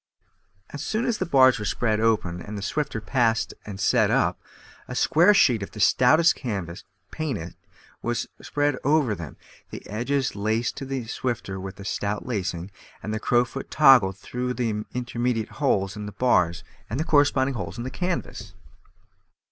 As soon as the bars were spread open, and the swifter passed and set up, a square sheet of the stoutest canvas, painted, was spread over them, the edges laced to the swifter with a stout lacing, and the crowfoot toggled through the intermediate holes in the bars and corresponding holes in the canvas.